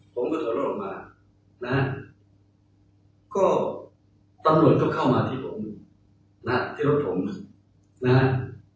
ผมก็ถอดรถออกมานะครับก็ตำรวจก็เข้ามาที่ผมที่รถผมนะครับ